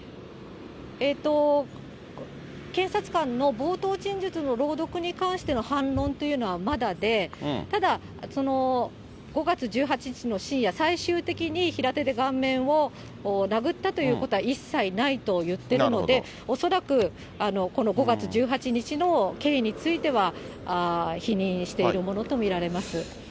検察官の冒頭陳述の朗読に関しての反論というのはまだで、ただ、５月１８日の深夜、最終的に平手で顔面を殴ったということは一切ないと言っているので、恐らく、この５月１８日の経緯については、否認しているものと見られます。